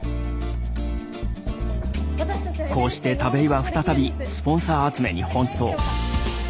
こうして田部井は再びスポンサー集めに奔走。